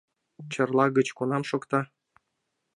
Чарла гыч кунам шокта?